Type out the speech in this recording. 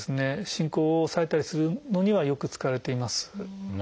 進行を抑えたりするのにはよく使われています。